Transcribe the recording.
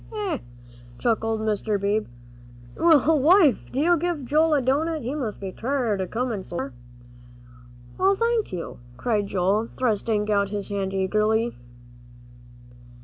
"Hee, hee, hee!" chuckled Mr. Beebe; "well, wife, do give Joel a doughnut; he must be tired, a comin' so far." "Oh, thank you," cried Joel, thrusting out his hand eagerly.